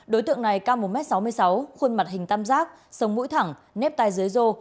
đối tượng này ca một m sáu mươi sáu khuôn mặt hình tam giác sông mũi thẳng nếp tay dưới rô